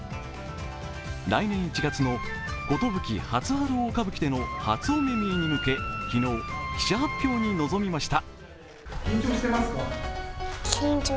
来年１月の「壽初春大歌舞伎」での初お目見えに向け、昨日、記者発表に臨みました。